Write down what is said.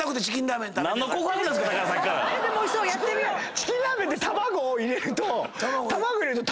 チキンラーメンって卵を入れると。